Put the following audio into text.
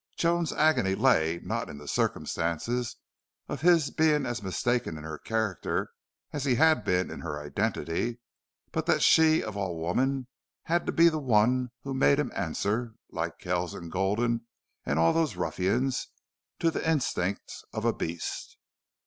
Joan's agony lay not in the circumstance of his being as mistaken in her character as he had been in her identity, but that she, of all women, had to be the one who made him answer, like Kells and Gulden and all those ruffians, to the instincts of a beast.